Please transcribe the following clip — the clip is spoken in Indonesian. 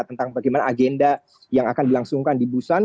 tentang bagaimana agenda yang akan dilangsungkan di busan